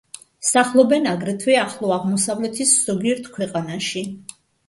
სახლობენ აგრეთვე ახლო აღმოსავლეთის ზოგიერთ ქვეყანაში.